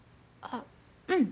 うん。